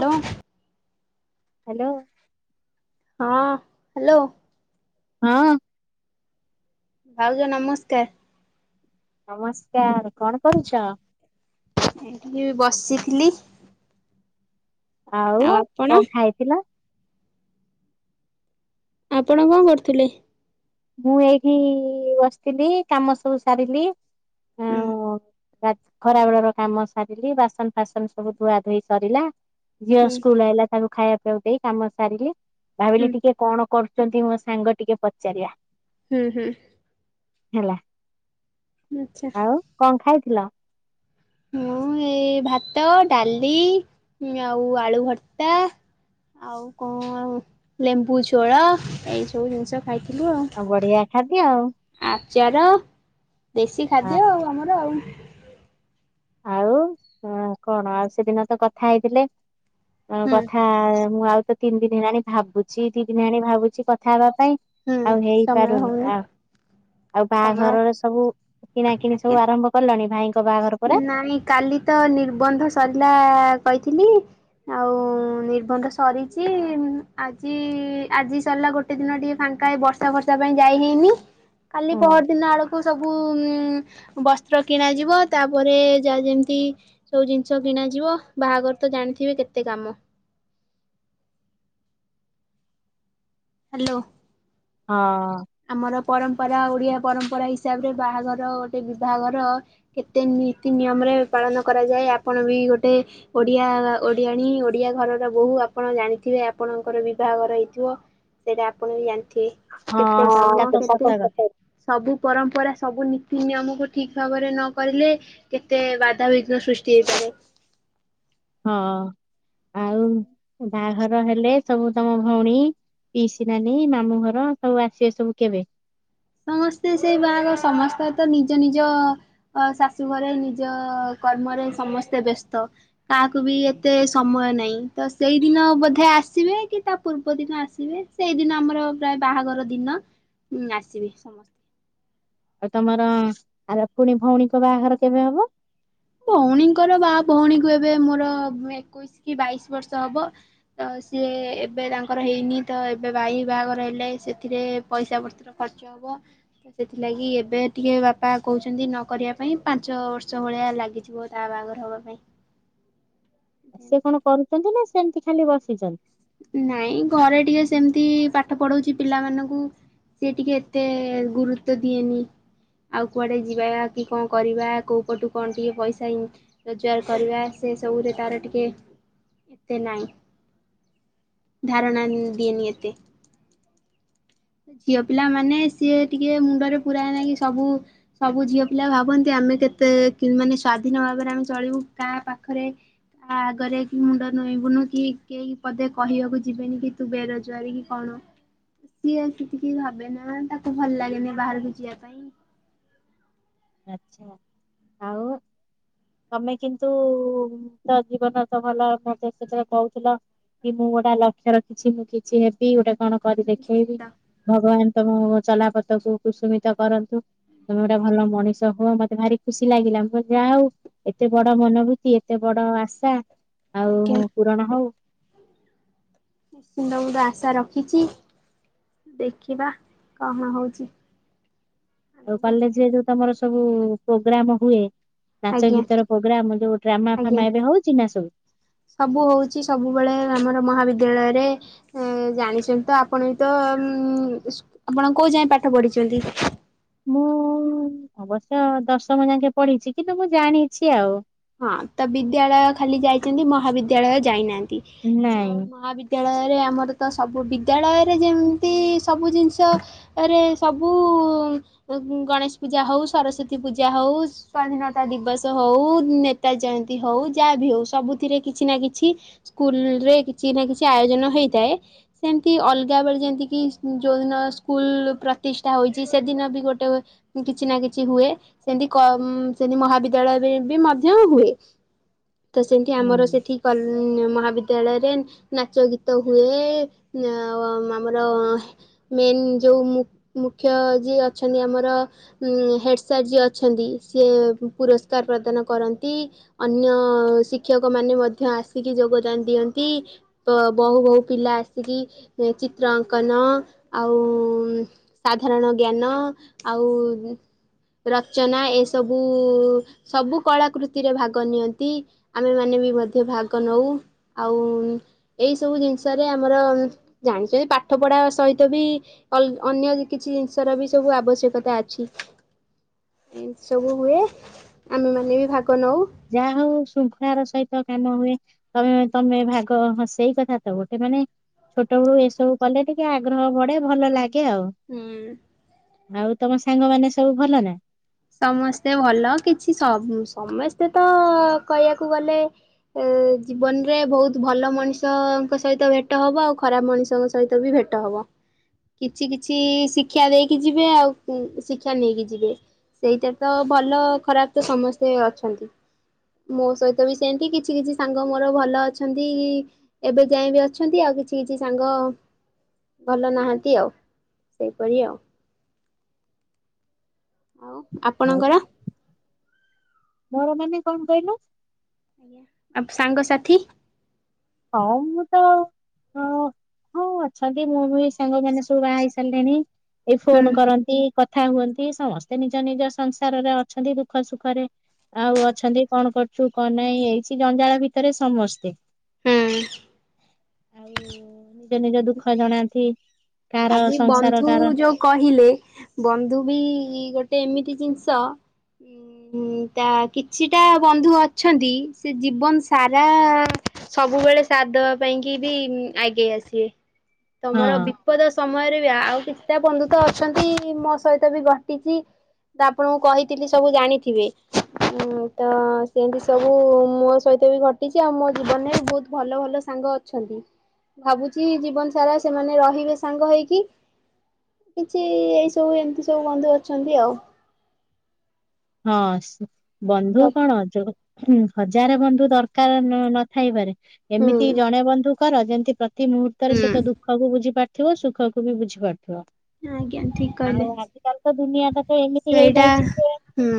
Hello hello ହଁ hello ହଁ ଭାଉଜ ନମସ୍କାର। ନମସ୍କାର କଣ କରୁଛ? ଏଠିକି ବସିଥିଲି। ଆଉ କଣ ଖାଇଥିଲ? ଆପଣ କଣ କରୁଥିଲେ? ମୁଁ ଏଇଠି ବସିଥିଲି କାମ ସବୁ ସାରିଲି ହୁଁ ଆଉ ଖରାବେଳର କାମ ସାରିଲି। ବାସନ ଫାସନ ସବୁ ଧୁଆ ଧୋଇ ସରିଲା। ଝିଅ ହୁଁ ସ୍କୁଲ ଆଇଲା ତାଙ୍କୁ ଖାଇବା ପିଆକୁ ଦେଇ କାମ ସାରିଲି ହୁଁ ଭାବିଲି ଟିକେ କଣ? କରୁଛନ୍ତି ମୋ ସାଙ୍ଗ ଟିକେ ପଚାରିବା। ହୁଁ ହୁଁ ହେଲା, ଆଚ୍ଛା ଆଉ କଣ ଖାଇଥିଲ? ହଁ ଏଇ ଭାତ, ଡାଲି, ଆଉ ଆଳୁ ଭର୍ତ୍ତା, ଆଉ କଣ ଲେମ୍ବୁ ଝୋଳ ଏଇ ସବୁ ଜିନିଷ ଖାଇ ଆଉ ବଢିଆ ଖାଦ୍ୟ ଆଉ। ଆଚାର ଦେଶୀ ଖାଦ୍ୟ ଆଉ ଆମର ଆଉ। ଆଉ କଣ ଆଉ ସେଦିନ ତ କଥା ହେଇଥିଲେ। ହୁଁ କଥା ମୁଁ ଆଉ ତ ତିନି ଦିନ ହେଲାଣି ଭାବୁଛି ଦି ଦିନ ହେଲାଣି ଭାବୁଛି କଥା ହେବା ପାଇଁ। ହୁଁ ଆଉ ହେଇ ସମୟ ପାରୁନି ହଉନି ହଁ। ଆଉ ସମୟ ବାହାଘରର ସବୁ କିଣାକିଣି ସବୁ ଆଜ୍ଞା ଆରମ୍ଭ କଲଣି ଭାଇ? ନାଇଁ କାଲି ତ ନିର୍ବନ୍ଧ ସରିଲା କହିଥିଲି। ଆଉ ନିର୍ବନ୍ଧ ସରିଛି। ଆଜି ଆଜି ସରିଲା ଗୋଟେ ଗୋଟେ ଦିନ ଟିକେ ଫାଙ୍କା। ଏଇ ବର୍ଷା-ଫର୍ଷା ପାଇଁ ଯାଇ ହେଇନି। କାଲି ହୁଁ ପହର ଦିନ ଆଡ଼କୁ ସବୁ ଉ ବସ୍ତ୍ର କିଣା ଯିବ। ତାପରେ ଯାହା ଯେମିତି ସବୁ ଜିନିଷ କିଣାଯିବ। ବାହାଘର ତ ଜାଣିଥିବେ କେତେ କାମ। ହ୍ୟାଲୋ। ହଁ। ଆମର ପରମ୍ପରା ଓଡ଼ିଆ ପରମ୍ପରା ହିସାବରେ ବାହାଘର ଗୋଟେ ବିଭାଘର କେତେ ନୀତି ନିୟମରେ ପାଳନ କରାଯାଏ। ଆପଣ ବି ଗୋଟେ ଓଡ଼ିଆ-ଓଡ଼ିଆଣୀ ଓଡ଼ିଆ ଘରର ବୋହୁ, ଆପଣ ଜାଣିଥିବେ ଆପଣଙ୍କର ବିଭାଘର ହେଇଥିବ। ସେଇଟା ଆପଣ ବି ଜାଣିଥିବେ। ହଁ ସେଇଟା ତ ସତ କଥା [unintelligible] ସବୁ ପରମ୍ପରା, ସବୁ ନୀତି ନିୟମକୁ ଠିକ୍ ଭାବରେ ନ କରିଲେ କେତେ ବାଧାବିଘ୍ନ ସୃଷ୍ଟି ହେଇପାରେ। ହଁ, ଆଉ ବାହାଘର ହେଲେ ସବୁ ତମ ଭଉଣୀ ପିଉସୀ ନାନୀ, ମାମୁଁ ଘର ସବୁ ଆସିବେ ସବୁ କେବେ? ସମସ୍ତେ ସେଇ ବା ସମସ୍ତେ ତ ନିଜ ନିଜ ଅ ଶାଶୁ ଘରେ ନିଜ କର୍ମରେ ସମସ୍ତେ ବ୍ୟସ୍ତ। କାହାକୁ ବି ଏତେ ସମୟ ନାହିଁ। ତ ସେଇଦିନ ବୋଧେ ଆସିବେ କି ତା ପୂର୍ବଦିନ ଆସିବେ। ସେଇଦିନ ଆମର ପ୍ରାୟ ବାହାଘର ଦିନ ଉ ଆସିବେ ସମସ୍ତେ। ଆଉ ତମର ଆର ପୁଣି ଭଉଣୀଙ୍କ ବାହାଘର କେବେ ହବ? ଭଉଣୀଙ୍କର ବା ଭଉଣୀକୁ ଏବେ ମୋର ଏକୋଇଶି କି ବାଇଶି ବର୍ଷ ହବ। ତ ସିଏ ଏବେ ତାଙ୍କର ହେଇନି ତ ଏବେ ଭାଇ ବାହାଘର ହେଲେ ସେଥିରେ ପଇସା ପତ୍ର ଖର୍ଚ୍ଚ ହବ। ତ ସେଥିଲାଗି ଏବେ ଟିକେ ବାପା କହୁଛନ୍ତି ନ କରିବା ପାଇଁ। ପାଞ୍ଚ ବର୍ଷ ଭଳିଆ ଲାଗି ଯିବ ତା ବାହାଘର ହବା ପାଇଁ। ସେ କଣ କରୁଛନ୍ତି ନା ସେମତି ଖାଲି ବସିଛନ୍ତି? ନାଇଁ ଘରେ ଟିକେ ସେମିତି ପାଠ ପଢ଼ଉଛି ପିଲାମାନଙ୍କୁ। ସିଏ ଟିକେ ଏତେ ଗୁରୁତ୍ୱ ଦିଏନି। ଆଉ କୁଆଡ଼େ ଯିବା କି କଣ କରିବା କୋଉ ପଟୁ କଣ ଟିକେ ପଇସା ଇନ୍ ରୋଜଗାର କରିବା ସେ ସବୁରେ ତାର ଟିକେ ଏତେ ନାହିଁ। ଧାରଣା ଦିଏନି ଏତେ। ଝିଅ ପିଲା ମାନେ ସିଏ ଟିକେ ମୁଣ୍ଡରେ ପୁରାଏନା କି ସବୁ ସବୁ ଝିଅ ପିଲା ଭାବନ୍ତି ଆମେ କେତେ ମାନେ ସ୍ଵାଧୀନ ଭାବରେ ଆମେ ଚଳିବୁ। କାହା ପାଖରେ ତା ଆଗରେ କି ମୁଣ୍ଡ ନୁଏଁଇ ବୁନୁ କି କେହି ପଦେ କହିବାକୁ ଯିବେନି କି ତୁ ବେରୋଜଗାରୀ କି କଣ ସିଏ ଏତେ କିଛି ଭାବେନା। ତାକୁ ଭଲ ଲାଗେନି ବାହାରକୁ ଯିବା ପାଇଁ। ଆଚ୍ଛା ଆଉ? ତମେ କିନ୍ତୁ ତା ଜୀବନ ତ ଭଲ ମତେ ସେଥିରେ କହୁଥିଲ। କି ମୁଁ ଗୋଟେ ଲକ୍ଷ୍ୟ ରଖିଛି। ମୁଁ କିଛି ହେବି ଗୋଟେ କଣ କରି ଦେଖେଇବି। ନିଶ୍ଚିନ୍ତ ଭଗବାନ ତମ ଚଲାପଥ କୁ କୁସୁମିତ କରନ୍ତୁ। ତମେ ଗୋଟେ ଆଜ୍ଞା ଭଲ ମଣିଷ ହୁଅ। ମତେ ଭାରି ଖୁସି ଲାଗିଲା ମୁଁ କହିଲି ଯାହା ହଉ ଏତେ ବଡ ମନୋଭୂତି ଏତେ ବଡ଼ ଆଶା। ଆଜ୍ଞା। ଆଉ ପୂରଣ ହଉ। ନିଶ୍ଚିନ୍ତ ମୁଁ ତ ଆଶା ରଖିଛି। ଦେଖିବା କଣ ହଉଛି। ଆଉ ଆଗକୁ କଲେଜ ରେ ଯୋଉ ତମର ସବୁ ପ୍ରୋଗ୍ରାମ ହୁଏ। ନାଚ ଆଜ୍ଞା ଗୀତର ପ୍ରୋଗ୍ରାାମ ଯୋଉ ଡ୍ରାମା ଆଜ୍ଞା। ଫାମା ଏବେ ହଉଛିି ନା ସବୁ? ସବୁ ହୋଉଚି ସବୁବେଳେ ଆମର ମହାବିଦ୍ୟାଳୟରେ ଏ ଜାଣିଚନ୍ତି ତ ଆପଣ ବି ତ ଉ ଆପଣ କୋଉ ଯାଏଁ ପାଠ ପଢିଛନ୍ତି? ମୁଁ ଅବଶ୍ୟ ଦଶମ ଯାଙ୍କେ ପଢିଚି କିନ୍ତୁ ମୁଁ ଜାଣିଚି ଆଉ। ହଁ ତ ବିଦ୍ୟାଳୟ ଖାଲି ଯାଇଚନ୍ତି। ମହାବିଦ୍ୟାଳୟ ଯାଇନାହାନ୍ତି। ଅ ନାଇଁ ମହାବିଦ୍ୟା ବିଦ୍ୟାଳୟରେ ଆମର ତ ସବୁ ବିଦ୍ୟାଳୟରେ ଯେମିତି ସବୁ ଜିନିଷ ରେ ସବୁ ଗଣେଶ ପୂଜା ହୋଉ ସରସ୍ଵତୀ ପୂଜା ହୋଉ ସ୍ଵାଧୀନତା ଦିବସ ହୋଉ ନେତ ତା ଜୟନ୍ତୀ ହୋଉ ଯାହା ବି ହୋଉ ସବୁଥିରେ କିଛି ନା କିଛି ସ୍କୁଲ ରେ କିଛି ନା କିଛି ଆୟୋଜନ ହେଇଥାଏ। ସେମିତି ଅଲଗା ବେଳେ ଯେମିତିକି ଯୋଉଦିନ ସ୍କୁଲ ପ୍ରତିଷ୍ଠା ହୋଇଚି ସେଦିନ ବି ଗୋଟେ କିଛି ନା କିଛି ହୁଏ। ସେମିତି କମ୍ ସେମିତି ମହାବିଦ୍ୟାଳୟରେ ବି ମ ଧ୍ୟ ହୁଏ। ତ ସେମିତି ହୁଁ ଆମର ସେଠି କଲ୍ ମହାବିଦ୍ୟାଳୟରେ ନାଚ ଗୀତ ହୁଏ। ଏଁ ଆ ଆମର ମେନ୍ ଯୋଉ ମୁ ମୁଖ୍ୟ ଯିଏ ଅଛନ୍ତି ଆମର ଉଁ ହେଡ଼୍ ସାର୍ ଯିଏ ଅଛନ୍ତି। ସିଏ ପୁରସ୍କାର ପ୍ରଦାନ କରନ୍ତ ତି ଅନ୍ୟ ଶିକ୍ଷକମାନେ ମଧ୍ୟ ଆସିକି ଯୋଗଦାନ ଦିଅନ୍ତି। ବୋହୁ ବୋହୁ ପିଲା ଆସିକି ସେ ଚିତ୍ର ଅଙ୍କନ ଆଉ ସାଧାରଣ ଜ୍ଞାନ ଆଉ ରଚନା ଏସବୁ ସବୁ କଳାକୃତ ଚି ରେ ଭାଗ ନିଅନ୍ତି। ଆମେମାନେ ବି ମଧ୍ୟ ଭାଗ ନଉ ଆଉ ଏଇ ସବୁ ଜିନିଷରେ ଆମର ଜାଣିଚନ୍ତି ପାଠ ପଢା ସହିତ ବି ଅଲ୍ ଅନ୍ୟ କିଛି ଜିନିଷର ବି ସବୁ ଆବଶ୍ୟକତା ଅଛି। ଏମିତି ସବୁ ହୁଏ ଆମେ ମାନେ ବି ଭାଗ ନୋଉ। ଯାହା ହଉ ଶୃଙ୍ଖଳାର ସହିତ କାମ ହୁଏ। ତମେ ତମେ ଭାଗ ହଁ ସେଇ କଥା ତ ଗୋଟେ ମାନେ ଛୋଟ ବେଳୁ ଏସବୁ କଲେ ଟିକେ ଆଗ୍ରହ ବଢେ ଭଲ ଲାଗ ଗେ ଆଉ ହୁଁ। ଆଉ ତମ ସାଙ୍ଗମାନେ ସବୁ ଭଲ ନା? ସମସ୍ତେ ଭଲ କିଛି ସମ ସମସ୍ତେ ତ କହିବାକୁ ଗଲେ ଏ ଜୀବନରେ ବୋହୁତ ଭଲ ମଣିଷଙ୍କ ସହିତ ଭେଟ ହବ ଆଉ ଖରାପ ମଣିଷଙ୍କ ସହିତ ବି ଭେଟ୍ ଟ ହବ କିଛି କିଛି ଶିକ୍ଷା ଦେଇକି ଯିବେ ଆଉ ଉଁ ଶିକ୍ଷା ନେଇକି ଯିବେ। ସେଇଟା ତ ଭଲ ଖରାପ ତ ସମସ୍ତେ ଅଛନ୍ତି। ମୋ ସହିତ ବି ସେମତି କିଛି କିଛି ସାଙ୍ଗ ମୋର ଭଲ ଅଛନ୍ତି ଏବେ ଯାଏ ବି ଅଛନ୍ତି ଆଉ କିଛି କିଛି ସାଙ୍ଗ ଭଲ ନାହାନ୍ତି ଆଉ ସେହିଭଳି ଆଉ। ଆଉ ଆଉ ଆପଣଙ୍କର? ମୋର ମାନେ କଣ କହିଲୁ? ଆପ୍ ସାଙ୍ଗସାଥି ହଁ ମୁଁ ତ ଅ ହଁ ଅଛନ୍ତି ମୁଁ ବି ସାଙ୍ଗ ମାନେ ସବୁ ବାହା ହେଇ ସାରିଲେଣି ଏଇ ହୁଁ ଫୋନ କରନ୍ତି। କଥା ହୁଅନ୍ତି ସମସ୍ତେ ନିଜ ନିଜ ସଂସାରରେ ଅଛନ୍ତି ଦୁଃଖ ସୁଖରେ। ଆଉ ଅଛନ୍ତି କଣ କରୁଛୁ କଣ ନାଇଁ ଏଇଛି ଜଞ୍ଜାଳ ଭିତରେ ସମସ୍ତେ। ହୁଁ ଆଉ ନିଜ ନିଜ ଦୁଃଖ ଜଣାନ୍ତି। କାର ଆଜି ସଂସାର ବନ୍ଧୁ କାର ଯୋଉ କହିଲେ ବନ୍ଧୁ ବି ଗୋଟେ ଏମିତି ଜିନଷ ହ [inaudible] ଉଁ ତା କିଛିଟା ବନ୍ଧୁ ଅଛନ୍ତି ସେ ଜୀବନ ସାରା ସବୁବେଳେ ସାଥ ଦବା ପାଇଁ କି ବି ଆଗେଇ ଆସିବେ ହଁ ତମର ବି ପଦ ସମୟରେ ବି ଆଉ କିଛିଟା ବନ୍ଧୁ ତ ଅଛନ୍ତି ମୋ ସହିତ ବି ଘଟିଚି। ତ ଆପଣଙ୍କୁଁ କହିଥିଲି ସବୁ ଜାଣିଥିବେ। ହୁଁ ତ ସେମତି ସବୁ ମୋ ସହିତ ବି ଘଟିଚି ଆଉ ମୋ ଜୀବନରେ ବି ବହୁତ ଭଲ ଭଲ ସ ସାଙ୍ଗ ଅଛନ୍ତି ଭାବୁଚି ଜୀବନ ସାରା ସେମାନେ ରହିବେ ସାଙ୍ଗ ହେଇକି। କିଛି ଏଇ ସବୁ ଏମିତି ସବୁ ବନ୍ଧୁ ଅଛନ୍ତି ଆଉ। ହଁ ସ୍ ବନ୍ଧୁ କଣ ଅ ହୁଁ ହଜାରେ ବନ୍ଧୁ ଦରକାର ନ ନଥାଇପାରେ ଏମିତି ହୁଁ। ଜଣେ ବନ୍ଧୁ କର ଯେମତି ପ୍ର ପ୍ରତି ମୁହୂର୍ତ୍ତରେ ସେ ତୋ ହୁଁ ଦୁଃଖକୁ ବୁଝିପାରୁଥିବ ସୁଖକୁ ବି ବୁଝିପାରୁଥିବ। ଆଜ୍ଞା ଠିକ କହିଲେ ଆଉ ଆଜି କାଲି ତ ଦୁନିଆ ତ ଏମିତି ସେଇଟା ହେଇଯାଇଛି ଯେ ହୁଁ।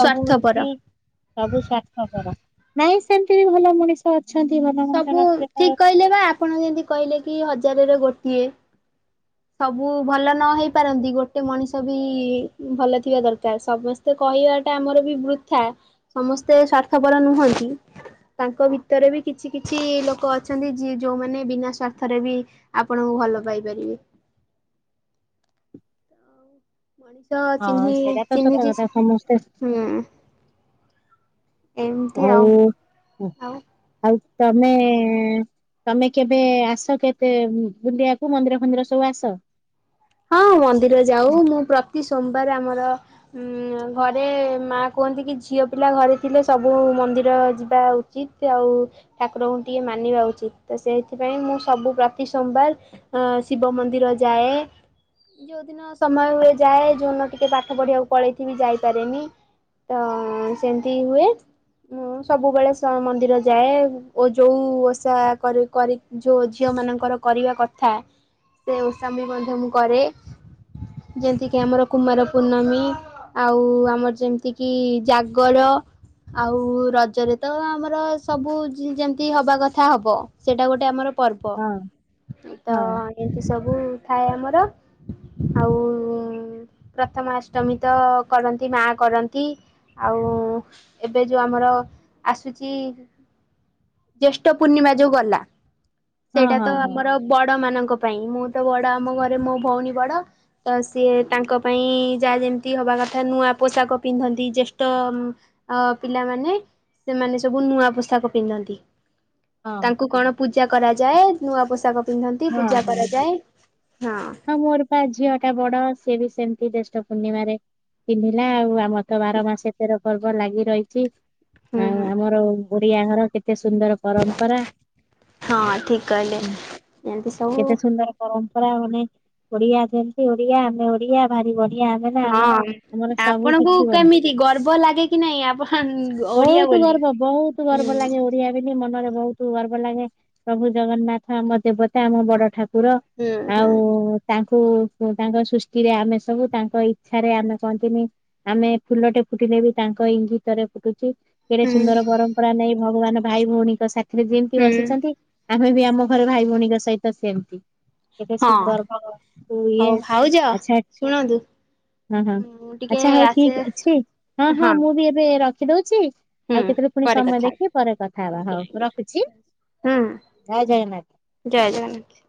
ସବୁ କି ସବୁ ସ୍ୱାର୍ଥପର ନାଇଁ ସେମିତି ବି ଭଲ ମୁଣିଷ ଅଛନ୍ତି ଭଲ ସବୁ ମଣିଷ ନଥିଲେ କ ଠିକ କହିଲେ ବା ଆପଣ ଯେମିତି କହିଲେ କି ହଜାରରେ ଗୋଟିଏ। ସବୁ ଭଲ ନ ହେଇ ପାରନ୍ତି ଗୋଟେ ମଣିଷ ବି ଭଲ ଥିବା ଦରକାର ସମସ୍ କହିବା ଟା ଆମର ବି ବୃଥା ସମସ୍ତେ ସ୍ୱାର୍ଥପର ନୁହନ୍ତି। ତାଙ୍କ ଭିତରେ ବି କିଛି କିଛି ଲୋକ ଅଛନ୍ତି ଯିଏ ଯୋଉମାନେ ବିନା ସ୍ଵାର୍ଥରେ ବି ଆପଣଙ୍କୁ ଭଲ ପାଇପାରିବେ। ମଣିଷ ଚିହ୍ନି ହଁ ସେଇଟା ତ ସତ ଚିହ୍ନିଛି କଥା ସମସ୍ତେ ହୁଁ। ଆଉ ଆଉ ଆଉ ତମେ। ତମେ କେବେ ଆସ କେବେ ବୁଲିବାକୁ ମନ୍ଦିର ଫନ୍ଦିର ସବୁ ଆସ। ହଁ ମନ୍ଦିର ଯାଉ ମୁଁ ପ୍ରତି ସୋମବାର ଆମର। ଉଁ ଘରେ ମା କୁହନ୍ତି କି ଝିଅ ପିଲା ଘରେ ଥିଲେ ସବୁ ମନ୍ଦିର ଯିବା ଉ ଉଚିତ୍ ଆଉ ଠାକୁରଙ୍କୁ ଟିକେ ମାନିବା ଉଚିତ୍ ତ ସେଇଥିପାଇଁ ମୁଁ ସବୁ ପ୍ରତି ସୋମବାର। ଅଁ ଶିବ ମନ୍ଦିର ଯାଏ। ଯୋଉଦିନ ସମୟ ହୁଏ ଯାଏ ଯୋଉଦିନ ଟିକେ ପାଠ ପଢିବାକୁ ପଳେଇଥିବ ବି ଯାଇପାରେନି। ତ ସେମତି ହୁଏ। ମୁଁ ସବୁବେଳେ ସ ମନ୍ଦିର ଯାଏ ଓ ଯୋଉ ଓଷା କରି କରି। ଯୋଉ ଝିଅ ମାନଙ୍କର କରିବା କଥା ସେ ଓଷା ମୁ ମଧ୍ୟ ମୁଁ କରେ। ଯେମତି କି ଆମର କୁମାର ପୂର୍ଣ୍ଣମୀ। ଆଉ ଆମର ଯେମିତି କିି ଜାଗର। ଆଉ ରଜରେ ତ ଆମର ସବୁ ଯେମିତି ହବା କଥା ହବ ସେଇଟା ଗୋଟେ ଆମର ପର୍ବ ହଁ ହଁ ତ ଏମିତି ସବୁ ଥାଏ ଆମର। ଆଉ ପ୍ରଥମା ଅଷ୍ଟମୀ ତ କରନ୍ତି ମା କରନ୍ତି। ଆଉ ଏବେ ଯୋଉଁ ଆମର ଆସୁଚି। ଜ୍ୟେଷ୍ଠ ପୂର୍ଣ୍ଣିମା ଯୋଉ ଗଲା। ହଁ ସେଇଟା ତ ହଁ ହଁ ଆମର ବଡ ମାନଙ୍କ ପାଇଁ ମୁଁ ତ ବଡ ଆମ ଘରେ ମୋ ଭଉଣୀ ବଡ। ତ ସିଏ ତାଙ୍କ ପାଇଁ ଯାହା ଯେମିତି ହବା କଥା ନୂଆ ପୋଷାକ ପିନ୍ଧନ୍ତି ଜ୍ୟେଷ୍ଠ। ଅ ପିଲାମାନେ ସେମାନେ ସବୁ ନୂଆ ପୋଷାକ ପିନ୍ଧନ୍ତି। ହଁ ତାଙ୍କୁ କଣ ପୂଜା କରାଯାଏ ନୂଆ ପୋଷାକ ପିନ୍ଧନ୍ତି ହଁ ପୂଜା ହଁ। କରାଯାଏ ହଁ। ମୋର ବା ଝିଅ ଟା ବଡ ସିଏ ବି ସେମିତି ଜ୍ୟେଷ୍ଟ ପୂର୍ଣ୍ଣିମାରେ ପିନ୍ଧିଲା ଆଉ ଆ ଆମ ର ତ ବାର ମାସ ଏ ତେର ପର୍ବ ଲାଗି ରହିଛି ହୁଁ ଆଉ ହୁଁ ଆମର। ଓଡିଆ ଘର କେତେ ସୁନ୍ଦର। ପରମ୍ପରା। ହଁ ଠିକ କହିଲେ ଏମତି ସ କେତେ ସୁନ୍ଦର ପରମ୍ପରା ମାନେ ଓଡିଆ ଯେମତି ଓଡିଆ ଆମେ ଓଡିଆ। ଭାରି ବଢିଆ ଆମେ ନା ଆମ ହଁ ଆମର ସବୁ ଆପଣଙ୍କୁ କିଛି ବଢିଆ। କେମିତି ଗର୍ବ ଲାଗେ କି ନାଇଁ ଆପଣ ଓଡିଆ ବହୁତ ବୋଲି? ଗର୍ବ ବହୁତ ହୁଁ ଗର୍ବ ଲାଗେ ଓ ଡିଆ ବୋଲି ମନରେ ବହୁତ ଗର୍ବ ଲାଗେ ପ୍ରଭୁ ଜଗନ୍ନାଥ ଆମ ଦେବତା ଆମ ବଡ ଠାକୁର। ହୁଁ ହୁଁ। ଆଉ ତାଙ୍କୁ ତାଙ୍କ ସୃଷ୍ଟିରେ ଆମେ ସବୁ ତାଙ୍କ ଇଚ୍ଛାରେ ଆମେ କହନ୍ତିନି। ଆମେ ଫୁଲଟେ ଫୁଟିଲେ ବି ତାଙ୍କ ଇଙ୍ଗିତରେ ଫୁଟୁଛି। କେଡେ ହୁଁ ସୁନ୍ଦର ପରମ୍ପରା ନେଇଁ ଭଗବାନ ଭାଇ ଭଉଣୀଙ୍କ ସାଥିରେ ଯେମତି ହୁଁ ବସିଛନ୍ତି। ଆମେ ବି ଆମ ଘର ଭାଇ ଭଉଣୀଙ୍କ ସହିତ ସେମତି। କେତେ ହଁ ସୁନ୍ଦର ଭାଗବାନ କୁ ଇଏ ହଉ ଭାଉଜ ଆଛା। ଶୁଣନ୍ତୁ ହଁ ହଁ ମୁଁ ଟିକେ ଆଚ୍ଛା ହଉ ଆସେ ଠିକ ଅଛି ହଁ ହଁ ମୁଁ ବି ଏବେ ରଖିଦଉଛି। ହୁଁ ଆଉ କେତେବେଳେ ପୁଣି ପରେ ସମୟ କଥା ଦେଖି ପରେ କଥା ହେବା। ହବା ଆଜ୍ଞା ହଉ ଆଜ୍ଞା ରଖୁଛି, ହୁଁ ଜୟ ଜଗନ୍ନାଥ। ଜୟ ଜଗନ୍ନାଥ।